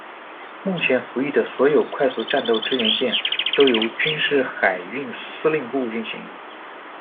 目前服役的所有快速战斗支援舰都由军事海运司令部运行。